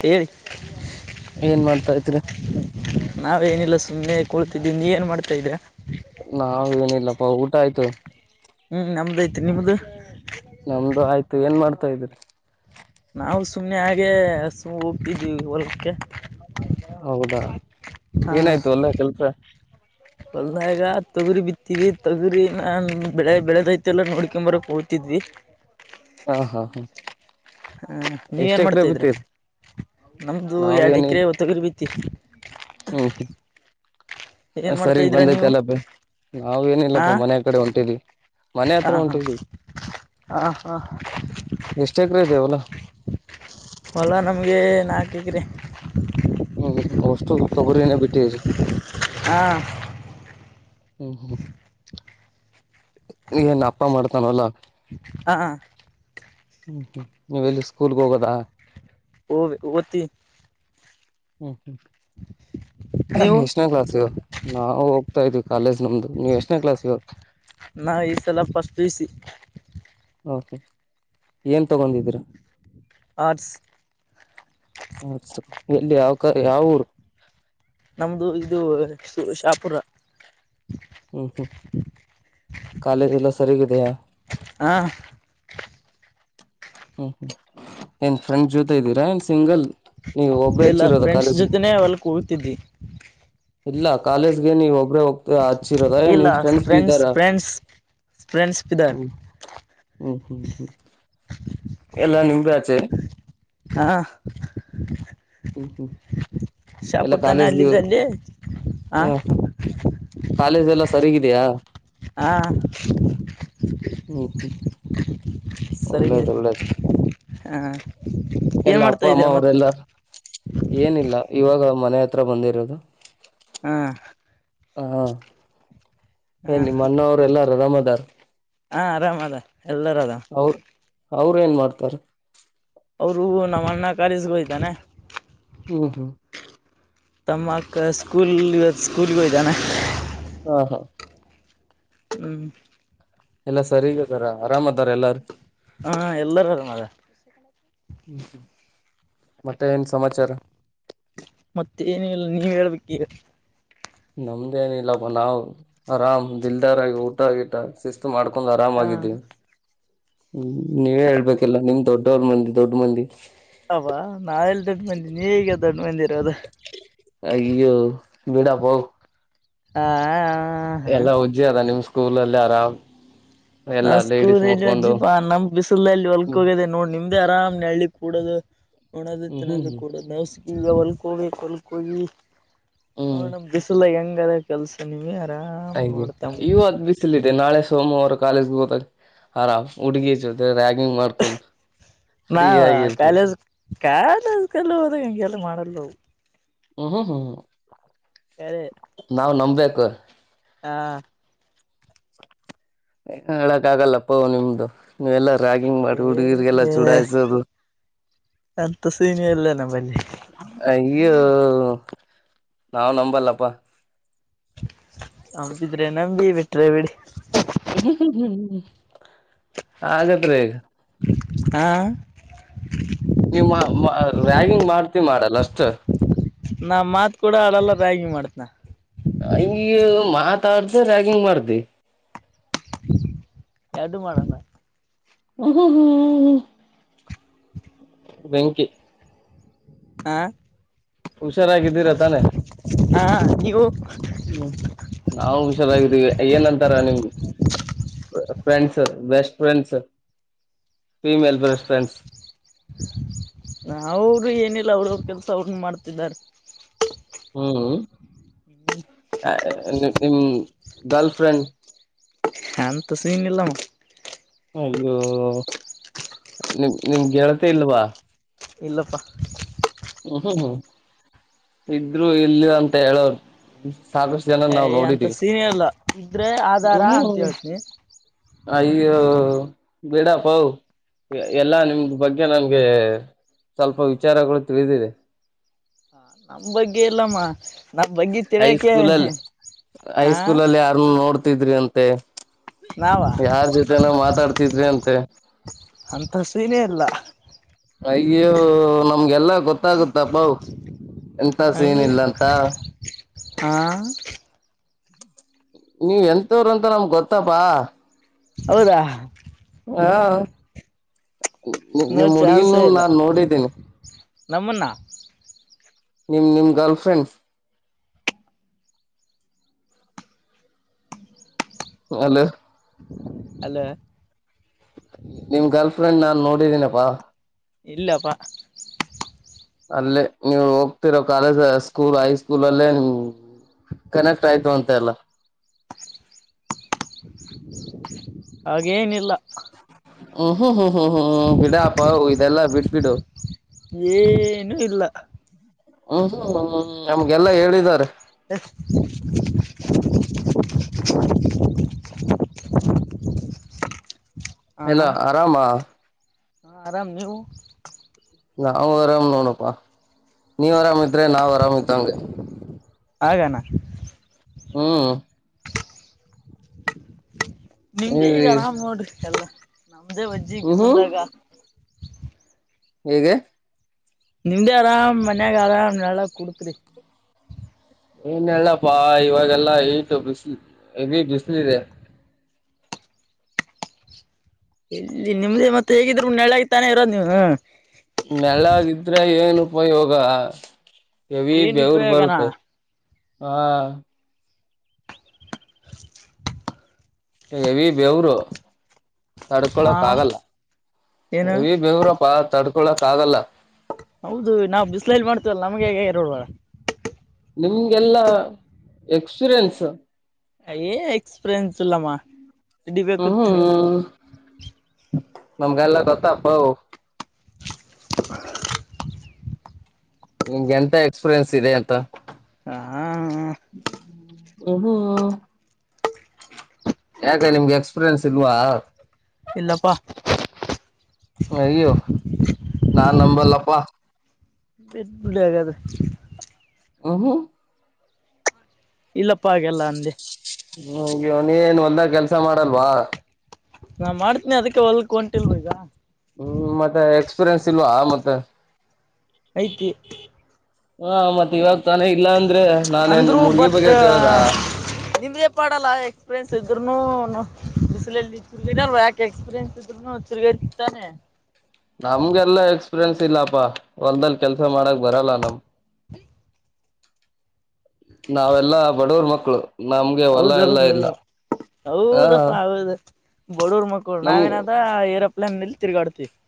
ಹೇಳಿ ಏನ್ ಮಾಡ್ತಾ ಇದ್ರಿ ನಾವೇಏನಿಲ್ಲ ಸುಮ್ಮ್ನೆ ಕುೂತಿದ್ದೀನಿ ಏನು ಮಾಡ್ತಾ ಇದೆ ನಾವ ಏನಿಲ್ಲಪ್ಪ ಊಟ ಆಯ್ತು ಹ್ಮ್ ನಮ್ದದೇ ನಮ್ದು ಆಯ್ತು ಏನ್ ಮಾಡ್ತ ಹತಾ ಇದ್ದ್ರ ನಾವು ಸುಮ್ನೆ ಹಾಗೆ ಸು ಹೋಗ್ತಿದೀವಿ ಹೊಲಕ್ಕೆ ಹೌದಾ ಏನಾಯ್ತು ಅಲ್ಲ ಕೆಲ್ಸ ಕೊಲ್ದಾಯಗ ತೊಗರಿ ಬಿತ್ತರಿ ತೊಗರಿ ನ ಬೆಳೆ ಬೆಳೆದಐತೆ ಎಲ್ಲ ನೋ ಆಕಂಬರ ಕೂತಿದ್ವಿ ಹಾ ಹಾ ಹಾ ಹಾ ನೀವ ಏನ್ ಮಾಡ್ತಾಿದ್ರ ನಮ್ದು ಎರಡು ನಾವೇನ ಎಕರೆ ಒತ್ತಗರಿ ಬಿ ತಿ ಹ್ಮ್ ಏನ್ ಮಾಡ್ತಾ ಸರಿಗ್ ಇದ್ರ ಬಂದೈತೆ ನೀವು ಎಲ್ಲ ನಾವ ಹಾ ಏನಿಲ್ಲಪ್ಪ ಮನೆಯ ಕಡೆ ಹೊಂಟಿದವಿ ಮನೆ ಹಾ ಹತ್ರ ಹಾ ಹೊಂಟಿದವಿ ಹಾ ಹಾ ಎಷ್ಟ ಎಕ್ರ ಇದದೆವಲ್ಲ ಗ್ರ ಹ್ಮ್್ಮಷ್ಟು ತೊಗರಿನೇ ಬಿಟ್ಟಿರಿ ಹಾ ಹ್ಮ ಹ್ಮ ಏನ್ ಅಪ್ಪ ಮಾಡ್ತಾನ ಅಲ್ಲ ಹಾ ಹ್ಮ್ ಹ್ಮ್ ನೀವೆ ಎಲ್ಲಿ ಸ್ಕೂಲ್ಗೆ ಹೋಗೋದಾ ಓ ತ್ತ ಹ್ಮ ನೀವು ಎಷ್ಟನೇ ಕ್ಲಾಸ್ ಇ ನಾವವು ಹೋಗ್ತಾ ಇದೀವಿ ಕಾಲೇಜ್ ನಮ್ದು ನೀವ್ ಎಷ್ಟನೇ ಕ್ಲಾಸ್ ಇ ಿಸಿ ಓಕೆ ಏನು ತಗೊಂಡಿದ್ದೀರ ಆರ್ಟಸ್ ಮ ಎಲ್ಲಿ ಯಾವ ಯಾವ ಊರು ನಮ್ದು ಇದು ಶಾಪುರ ಹ್ಮ್ ಹ್ಮ್ ಕಾಲೇಜ ಎಲ್ಲ ಸರಿಗಿದೆಯಾ ಹಾ ಹ್ಮ್ ಹ್ಮ್ ಏನ್ ಫ್ರೆಂಡ್ ಜೊತೆ ಇದ್ದೀರಾ ಏನ್ ಸಿಂಗಲ್ ನೀವು ಒಬ್ಬ್ರೇ ಎಲ್ಲ ಹಚ್ಚಿರೋದ ಫ್ರೆಂಡ್ಸ್ ಕಾಲೇಜಿಗೆ ಜೊತೆನೆೇ ಅವಲ್ಕ್ ಹೋಗತಿದ್ದಿ ಇಲ್ಲ ಕಾಲೇಜ್ಗೆ ನೀವ್ ಒಬ್ಬ್ರೇ ಹೋಗ್ತ ಹಚ್ಚಿರೋದ ಇಲ್ಲ ನಿಮ್ ಫ್ರೆಂಡ್ಸ್ ಬಿ ಇದ್ದಾರ ಫ್ರೆಂಡ್ಸ್ ಫ್ರೆಂಡ್ಸ್ ಪಿದಾರ್ ಹ್ಮ್ ಹ್ಮ್ ಹ್ಮ್ ಹ್ಮ್ ಎಲ್ಲಾ ನಿಂಬಾಚೆ ಹಾ ಹ್ಮ ಹ್ಮ ಶಾಪುತಾನೆ ಅಲ್ಲಿಲ್ಲಿ ಹ ಸರಿಗಿದಯಾ ಹಾ ಉಳ್ಳದುಳ್ಳದು ಹ ಎಲ್ಲ ಅಪ್ಪ ಅಮ್ಮ ಅವರೆಲ್ಲ ಏನಿಲ್ಲ ಇವಾಗ ಮನೆ ಹತ್ರ ಬಂದಿರೋದು ಹಾ ಹಾ ಹಾ ಏ ನಿಮ್ಮ ಅಣ್ಣ ಅವರು ಎಲ್ಲಾರ ರಮದಾರ್ ಹಾ ಆರಾಮ್ ಅದ ಎಲ್ಲರದ ಅವ್ರ ಏನ್ ಮಾಡ್ತಾರ ಅವರು ನಮ್ಮನ್ನ ಕರಸ್ಗೊಯ್ತಾನೆ ಹ್ಮ್ ಹೂ ತಮ್ಮಕ ಸ್ಕೂಲ್ ಸ್ಕೂಲ್ಗೆ ಹದಾನ ಹಾ ಹಾ ಹ್ಮ್ ಎಲ್ಲಾ ಸರಿಗದಾರ ಆರಾಮ್ ಅದಾರ ಎಲ್ಲಾರ ಹಾ ಎಲ್ಲಾರ ಆರಾಮ ಅದ ಹ್ಮ್ ಮತ್ತೆ ಏನ್ ಸಮಾಚಾರ ಮತ್ತೆ ಏನಲ್ಲ ನೀವ್ ಹೇಳ್ಬೇಕ ಈಗ ನಮ್ದೇಏನಿಲ್ಲಪ್ಪ ನಾವ್ ಆರಾಮ್ ದಿಲ್ದಾರ ಆಗ ಊಟ ಆಗಟ್ಟ ಮಾಡ್ಕೊಂಡ್ ಹಾ ಆರಾಮಾಗಿದೀವಿ ಹ್ಮ ನೀವೇ ಹೇಳ್ಬೇಕು ಾ ನಿಮ್ ದೊಡ್ಡವ್ರ ಮಂದಿ ದೊಡ್ಡ ಮಂದಿ ಅವಾ ನಾವೆಲ್ಲಿ ದೊಡ್ ಮಂದಿ ನೀ ಈಗ ದೊಡ್ಡ ಮಂದಿ ಬೆದ ಹಾಗೋ ಬಿಡಾಪೌ ಹಾ ಎಲ್ಲಾ ಉಜ್ಜಿ ಅದ ನಿಮ್ ಸ್ಕೂಲಲ್ಲ ಆರಾಮ ನಾ ಸ್ಕೂ ಅಜ್ಜಿಪಾ ನಮ್ ಬಿಸಿಲಲ್ಲಿ ಹೊಲ್ಕ್ ಹ್ಮ್ ಹೋಗಿದೆ ನೋಡ್ ನಿಮ್ದ ಆರಾಮ್ ಅಲ್ಲಿ ಕೂಡದು ಹಣದು ಹ್ಮ್ ಹ್ಮ್ ತಿೆನ್ನಾಗ ಹ್ಮ್ ಕೂಡ ನವು ಗವಲ್ಕೋವಿ ಕಲ್ಕವಿ ಹ ಹ್ಮ್ ನಮ ಬಿಸಲ ಹೆಂಗ್ ಹ್ರ ಕೆಲ್ಸ ನೀವ ಹಾಗೆ ಇವು ಅದ್ ಬಿಸಿಲಿದೆ ನಾಳೆ ಸೋಮವಾರ ಕಾಲೇಜ್ಗೆ ಹ ಆರ ಹುಡುಗಿ ರ ನ ಆಗಿರ್ತಿವಿ ಕಾಲೇಜ ಕಾಲೇಜ ಕಲ್ಲದಗೆಲ್ಲ ಮಾಡಲ್ಲ ಹ್ಮ್ ಹ್ಮ ಹ್ಮ್ ಕರೆ ನಾವು್ ನಮ ಬೆಬೇಕೇಕರ್ ಹಾ ಹೇಳಕ ಆಗಲ್ಲಪ್ಪ ನಿಮ್ದು ನೀವೆ ಎಲ್ಲ ಏ ಅಂತ ಸೀಮಿ ಎಲ್ಲ ನಂಬಲ್ಲಿ ಈ ನಾಾವ್ ನಂಬಲ್ಲಪ್ಪಾ ಹದಿದ್ರೆ ನಂಬಿ ಬಿಟ್ರೆ ಬಿಡಿ ಆಗತ್ರಿಗ ಹಾ ರ್ಯಾಗಿಿಂಗ್ ಮಾಡ್ ಮಾಡಲ್ಲ ಅಷ್ಟ ನಾ ಮಾತ್ ಕೂಡ ಅಳಲ್ಲ ಬ್ಯಾಗಿ ಮಾಡ್ತನ ಹಂಗ ಮಾತಾಡ್ದು ರ್ಯಾಗಿಂಗ್ ಮಾಡ್ದ ಎರಡು ಮಾಡಣ ಹ ಹ್ಮ್ ಬೆಂಕಿ ಹ ಹುಷಾರಾ ಕಿದ್ದಿತಾನ ಹಾ ಇವು ಹ್ಮ್ ನಾ ಹುಷಾರಾಗಿದ್ದೀವಿ ಏನಂತಾರ ನಿಮ್ friends best friends female best friends ಅವರು ಏನಿಲ್ಲ ಅವಳ ಕೆಲ್ಸ ಅವನ್ನ ಮಾಡ್ತಿದ್ದಾರೆ ಹ್ಮ್ ಆ, ಹ್ಮ್. [unintelligible] ಗರ್ಲ್ಫ್ರೆಂಡ್. [inaudible] ಹಂತಸೀನೆಲ್ಲಮಗ. [inaudible] ಅಯ್ಯೋ, ನಿಮ, ನಿಮ್, ಹೇಳ್ತಾ, ಇಲ್ವಾ. [inaudible] ಇಲ್ಲಪ್ಪಾ.. [unintelligible] ಹ್ಮ್, ಹ್ಮ್, ಹ್ಮ್, ಇದ್ರು ಇಲ್ಲಿ ಅಂತ ಹೇಳೋರು. [inaudible] ಜನ ಹೇ, ನಾವ್ ಅಂತ, ನೋಡಿದೀವಿ ಸೀನ್ಹೆ, ಇಲ್ಲಾ, ಇದ್ರೆ ಆಧಾರ ಹ್ಮ್ ಅಂತ, ಹ್ಮ್ ಹೇಳುತ್ಹಿನಿ. [inaudible] ಅಯ್ಯೋ, ಬಿಡಪ್ಪೋ, ಎಲ್ಲಾ, ನಿಮ್ದ, ಬಗ್ಗೆ ನನ್ಗೆ ಸ್ವಲ್ಪ, ವಿಚಾರಗಳು? [inaudible] ತಿಳಿದಿದೆ. [inaudible] ನಂಬಗೀಲಮ್ಮ. [unintelligible] ಹೈ, ಸ್ಕೂಲಲ್ಲಿ, ಹಾ ಹೈಸ್ಕೂಲಲ್ಲಿ, ಯಾರನ್ನು, ನೋಡು.. [inaudible] ತಿದುಡ್ರಿಯಂತೆ. ನಾವ [inaudible] ಯಾರ್, ಜೊತೆ, ನಾವು ಮಾತಾಡ್ತಿದ್ರಿ! ಅಂತೆ. [inaudible] ಅಂತ, ಸೀನೆ, ಇಲ್ಲ. [inaudible] ಅಯ್ಯೋ, ನಮ್ಗೆಲ್ಲ! [inaudible] ಗೊತ್ತಾಗುತ್ತಪ್ಪ, ಎಂತ, ಸೀನ್, ಹಂಗೆ ಇಲ್ಲ, ಅಂತ. [inaudible] ಹಾ.. [unintelligible] ನೀವ್, ಎಂತವ್ರ, ಅಂತ ನಮಗೆ, ಗೊತ್ತಪಾ. [inaudible] ಹೌದಾ.. [inaudible] ಹಾ.. [inaudible] ನೋ ನಿಮ್, ಹುಡುಗಿನ್, ಚಾನ್ಸೇ ಇಲ್ಲ ನಾನ್, ನೋಡಿದ್ದೀನಿ. [inaudible] ನಮ್ಮನ್ನ.. [unintelligible] ನಿಮ್, ನಿಮ್, ಗಾರ್ಲ್ಫ್ರೆಂಡ್. [inaudible] ಹಲೋ. [inaudible] ಹಲ್ಲೋ. [unintelligible] ನಿಮ್, ಗರ್ಲ್ಫ್ರೆಂಡ್, ನಾನ್, ನೋಡಿದೀನಪ್ಪಾ. [inaudible] ಇಲ್ಲಪ್ಪಾ.. [inaudible] ಅಲ್ಲೇ, ನೀವು ಹೋಗ್ತಿರೋ! ಕಾಲೇಜ್ ಸ್ಕೂಲ್ ಹೈ ಸ್ಕೂಲ್ ಅಲ್ಲೇ ನಿಮ ಕನೆಕ್ಟ್ ಆಯ್ತು ಅಂತೆ, ಅಲ್ಲಾ. [inaudible] ಹಾಗೇನಿಲ್ಲ.. [inaudible] ಹ್ಮ್ಮ್. [inaudible] ಹ್ಮ್, ಹ್ಮ್, ಹ್ಮ್, ಹ್ಮ್, ಹ್ಮ್, ಬಿಡಪ ಇದೆಲ್ಲಾ ಬಿಟ್ಬಡು. [inaudible] ಏನು ಹ್ಮ್ಮ್, ಹು. [unintelligible] ಮತ್ತೆ.. [unintelligible] [unintelligible] [inaudible] ಹೆಲೋ, ಆರಾಮಾ. [inaudible] ಹ, ಆರಾಮ್, ನೀವು? [inaudible] ನಾವು, ಆರಾಮು, ನೋಡಪ್ಪ, ನೀವು ಆರಾಮಿದ್ರೆ ನಾವ್ ಆರಾಮ್ ಇದ್ದಂಗೆ. [inaudible] ಹಾಗಣ.. [inaudible] ಹ್ಮ. [inaudible] ನಿಮ್ದೇ, ನೀವ್ ಈಗ, ಆರಾಮ್, ನೋಡಿರಿ, ಎಲ್ಲ. [inaudible] ನಮ್ದೇ ವಜ್ಜಗ ಹ್ಮ್ ಹ್ಮ್ ಸುಂದಾಗಾ ಹೇಗೆ ನಿಮ್ದೇ ಆರಾಮ್ ಮನ್ಯಾಗ ಆರಾಮ್ ನಾಳ ಕುಡ್ತ್್ರಿ ಏನ್ಲ್ಲಪ್ಪಾ ಇವಾಗೆಲ್ಲಾ ಈಟು ಬಿಸಿ್ಲು ಹೆಗ ಬಿಸಿ್ಲ ಇದೆ ಇಲ್ಲಿ ನಿಮ್ದೇ ಮತ್ತೆ ಹೇಗಿದ್ರು ನಳೆಗ್ ತಾನೇ ಇರೋದು ನೀವನು ಮೆಲಗಿದ್ರೆ ಏನು ಉಪಯೋಗ ಕೆವಿ ಏನ್ ಬೆವರ್ ಉಪಯೋಗನಾ ಬರುತ್ತೆ ಹಾ [unintelligible] ಹ ಬೆವರು ಹಾ ತಡ್ಕೊಳಕ್ ಆಗಲ್ಲ ಏನು ಈ ಬೆವರುಪ್ಪ ತಡ್ಕ ಕೊಳಕ್ ಆಗಲ್ಲ ಹೌದು ನಾವ್ ಬಿಸ್ಲಲ್ಲಿ ಮಾಡ್ತೀವಲ್ಲ ನಮ್ಗೆ ಹೇಗೆ ಇರೋಲ್ವ ನಿಮ್ಗೆಲ್ಲಾ ಎಕ್ಸ್ಪೀರಿಯೆನ್ಸ್ ಎಕ್ಸ್ಪೀರನ್ಸ ಇಲ್ಲಾಮಾ ಹ್ಮ್ ಇಡಿಬೇಕತ್ಕ್ರೆ ನಮ್ಗೆ ಎಲ್ಲ ಗೊತ್ತ ಅಪ್ಪ ಹ ನಿಮ್ಗೆ ಎಂತ ಎಕ್ಸ್ಪೀರಿಯನ್ಸ್ ಇದೆ ಎಂತ ಹಾ ಯಾಕೆ ನಿಮ್ಗೆ ಎಕ್ಸ್ಪೀರಿಯನ್ಸ್ ಇಲ್ವಾ ಇಲ್ಲಪ್ಪಾ ಅಯ್ಯೋ ನಾನ್ ನಂಬಲ್ಲಪ್ಪಾ ಎಡ್ಳ್ಳ ಆಗದೆ ಹ ಹ ಇಲ್ಲಪ್ಪ ಹಾಗೆಲ್ಲ ಅಂದೆ ಹ್ಮ ನೀೇನ್ ಒಂದ ಕೆಲ್ಸ ಮಾಡಲ್ವಾ ನಾ ಮಾಡ್ತೀನಿ ಅದಕ್ಕೆ ಹೊಲ್ಕ್ ಹೊಂಟಿಲ್ವ ಈಗ ಹ್ಮ್ ಮತ್ತೆ ಎ ಇಸೂರೆನ್ಸ್ ಇಲ್ವಾ ಮತ್ತೆ ಯ್ತಿ ಹಾ ಮತ್ೆ ಇವಾಗ ತಾನೇ ಇಲ್ಲ ಅಂದ್ರೆ ನಾನೇ ಅಂದ್ರು ನಿಮ್ ಹುಡ್ಗಿ ಬಟ್ ಬಗ್ಗೆ ಕೇಳ್ದ ನಿಮ್ಗೆ ಪಾಡಲ್ಲ ಎಕ್ಸ್ಪೀರಿಯನ್ಸ್ ಇದ ಇದ್ನು ಬಿಸಿಲಲ್ಲಿ ತಿರ್ಗಿದಲ್ ಯಾಕೆ ಎಕ್ಸ್ಪೀರಿಯನ್ಸ್ ಇದ್ರುನು ತಿರ್ಗಾ ಇತಿತ್ತಾನೆ ನಮ್ಗೆಲ್ಲಾ ಎಕ್ಸ್ಪೀರಿಯನ್ಸ್ ಇಲ್ಲಪಾ ಒಲ್ಲ್ ಕೆಲ್ಸ ಮಾಡಕ್ ಬರಲ್ಲ ನಮ್ ನಾವೆಲ್ಲಾ ಬಡವರ್ ಮಕ್ಕಳು ಹೌದೌದೌದು ಹ ಹೌದಪ್ಪ ಹೌದು ಬಡೂರ್ ಮಕ್ಕಳು ನಮ್ ನಾವೇಏನಾದ ಏರೋಪ್ಲೇನ್ಲ್ಲಿ ತಿರ್ಗಾಡ್ತಿವಿ [unintelligible]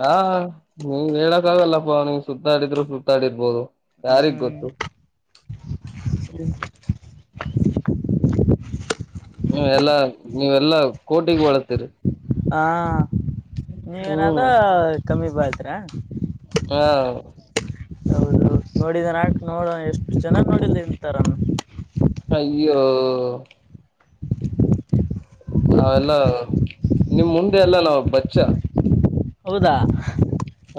ಹಾ ನೀ್ ಹೇಳಕ್ ಆಾಗಲ್ಲಪ್ಪ ನೀ್ ಸುತ್ತಾಡಿದ್ರು ಸುತ್ತಾ ಆಡಿರ್ಬೋದು ಯಾರಿಿಗೆ ಹ್ಮ್ ಗೊತ್ತು ಹ್ಮ ಹ್ಮ ಎಲ್ಲಾ ನೀವೆಲ್ಲಾ ಕೋಟಿಗ ಒಳತ್ತೀರಿ ಹಾ ನೀವೇನಾದ ಹ್ಮ್ ಕಮ್ಮಿ ಬತ್ರ್ರಾ ಹಾ ಹೌದು ನೋಡಿದನ್ ಆಾಕ ನೋಡೋಣ ಎಷ್ಟು ಜನ ನೋಡಿಲ್ ಇಂತಾರ ಅಯ್ಯೋ ನಾವೆಲ್ಲ ನಿಮ್ ಮುಂದೆ ಎಲ್ಲಾ ನಾವ್ ಬಚ್ಚ ಹೌದಾ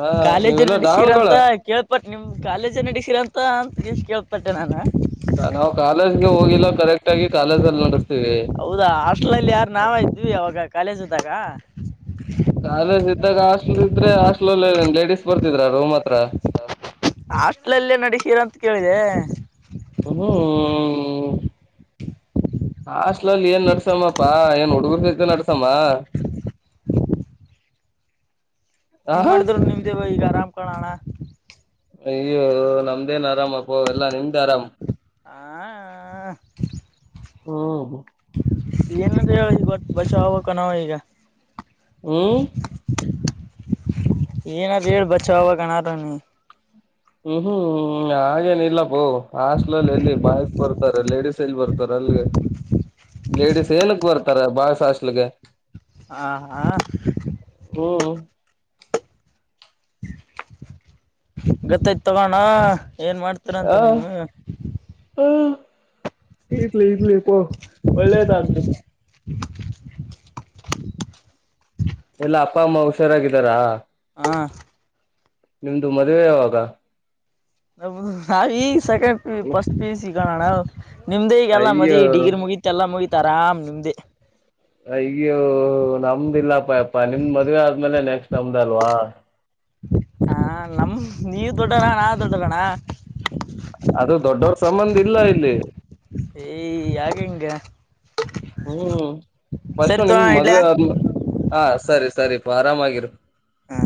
ಹಾ ಕಾಲೇಜು ನೀವೆಲ್ಲಾ ಡಾನ್ಗಳ ನಡಸೀರಂತ ಕೇಳ್ಪಟ್ಟ ನಿಮ್ಮ್ ಕಾಲೇಜನ ಡಿಸಿ್ರರಿ ಅಂತ ಅಂತ ಕೇಳ್ತಟ್ಟೆ ನಾನು ಇಲ್ಲ ಕರೆಕ್ಟ್ ಆಗ ಕಾಲೇ ಅಲ್ಲಿ ನೋಡ ಹೌದಾ ಹಾಸ್ಟೆಲ್ಲ್ಲಿ ಯಾರ ನಾವ ಇದ್ವಿ ಅವಾಗ ಕಾಲೇಜ್್ದಾಗ ಹ್ಮ ಕೆ ಸಿದ್ಧ ಕಷ್ಟ ಇದ್ರೆ ಹಾಸ್ಟಲಲ್ಲಿ ಲೇಡಿಸಸ್ ಬರ್ತಿದ್ರ ರೂಮ್ ಹತ್ರ ಹಾಸ್ಲಲ್ಲೇ ನಡಸೀರ ಅಂತ ಕೇಳಿದೆೆ ಹ್ಮ್ ಹಾಸ್ಟ್ಲಲ್ಲಿ ಏನ್ ನಡ್ಸಮ್ಮಪ್ಪಾ ಏನ್ ಹುಡುಗರ್ಸತ ನಡ್ಸಮ್ಮ ಏನ್ ಹ ಮಾಡಿದ್ರು ನಿಮ್ದೇವ ಈಗ ಆರಾಮ ಕುಕಳಣ ಅಯ್ಯ ನಮ್ದೇನ್ ಆರಾಮಪ್ಪ ಎಲ್ಲಾ ನಿಮ್ದ್ ಆರಾಮ ಆ ಹ್ಮ್ ಏನಂದ್ರ ಹೇಳ ಈ ಬಷ ಹೋಗಕ ನಾವ ಈಗ ಹ್ಮ್ ಏನಾರ ಹೇಳ ಬಚಾವಾವಾಗನಾರ ನೀ ಹ್ಮ್ ಹ್ಮ್ ಹಾಗೇನ ಇಲ್ಲಪ್ಪ ಹಾಸ್ಲಲ್ಲ ಎಲ್ಲಿ ಬ ಬರ್ತಾರ ಲೇಡಿಸಸ್ ಎಲ್ಲಿ ಬರ್ತಾರ ಅಲ್ಗೆ ಲೇಡಿಸಸ್ ಏನಕ್ ಬರ್ತಾರ ಬಾಳ ಸಾಸ್ಲ್ಗೆ ಆ ಹ ಹ್ಮ್ ಗತ್ತೈ್ತ ತಗೋಣ ಏನ್ ಮಾಡ್ತೀರಾ ಅಂತ ಆ ನೀವು ಹ ಇಡ್ಲಿ ಇಡ್ಲಿ ಪ ಒಳ್ಳೆತ ಅಲಿ ಎಲ್ಲ ಅಪ್ಪ ಅಮ್ಮ ಹುಷಾರಾಗಿದ್ದಾರಾ ಹ ನಿಮ್ದು ಮದ್ುವೆ ಯಾವಾಗ ನ ನಾವ ಈಗ ಸೆಕೆಂಡ್ ಪ ಫಸ್ಟ್ ಪಿ ಸಿ ಗಾನ ನಿಮ್ದ ಈಗ ಎಲ್ಲ ಅಯ್ಯೋ ಮದಿ ಡಿಗ್ರಿ ಮುಗಿಿತ ಎಲ್ಲ ಮುಗತ ತರಾಾಮ್ ನಿಂ್ದೆ ಈಗ್ಯೂ ನಮ್ದ ಇಿಲ್ಲಪ್ಪಯಪ್ಪಾ ನಿಮ್ ಮದ್ವೆ ಆದ್ಮೇಲೆ ನೆಕ್ಸ್ಟ್ ಚಮ್ದಲ್ವಾ ಹಾ ನಮ ನೀವ ದೊಡ್ಡರ ನಾ ೊಡ್ಡರಣ ಅದು ದೊಡ್ಡವರ ಸಂಬಂಧ ಇಲ್ಲ ಇಲ್ಲಿ ಏಯ್ ಯಾಕೆ ಹಿಂಗ ಹ್ಮ್ ಸರಿ ಫಸ್ು ತೋಣ ನಿಮ ಇಡ್ಲ್ಯಾ? ಮದ್ವೆ ಆದ ಹ ಸರಿ ಸರಿ ಆರಾಮ ಆಾಗಿರ ಹಾ.